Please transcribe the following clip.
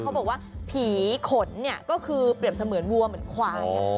เขาบอกว่าผีขนเนี่ยก็คือเปรียบเสมือนวัวเหมือนควาย